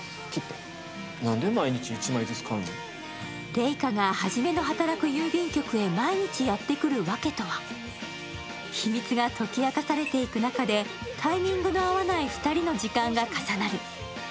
レイカがハジメの働く郵便局へ毎日やってくるワケとは秘密が解き明かされていく中でタイミングの合わない２人の時間が重なり